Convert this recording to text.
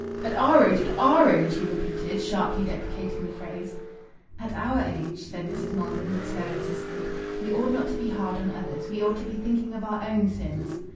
"At our age! At our age!" he repeated, sharply deprecating the phrase. "At our age," said Mrs. Maldon, with slow insistence, "we ought not to be hard on others. We ought to be thinking of our own sins."